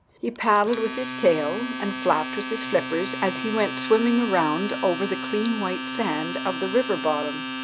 He paddled with his tail and flapped with his flippers as he went swimming around over the clean white sand of the river bottom.